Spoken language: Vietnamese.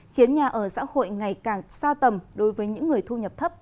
khiến nhà ở xã hội ngày càng xa tầm đối với những người thu nhập thấp